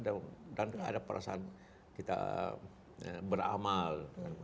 dan ada perasaan kita beramal